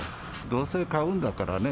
どうせ買うんだからね、